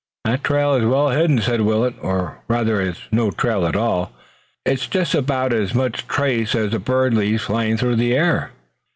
"That trail is well hidden," said Willet, "or rather it's no trail at all. It's just about as much trace as a bird leaves, flying through the air."